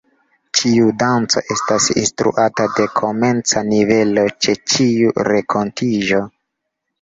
Ĉiu danco estas instruata de komenca nivelo ĉe ĉiu renkontiĝo.